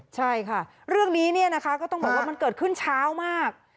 ใช่ค่ะเรื่องนี้เนี่ยนะคะก็ต้องบอกว่ามันเกิดขึ้นเช้ามาก